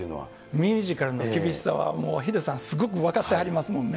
ミュージカルの厳しさはヒデさん、すごく分かってはりますもんね。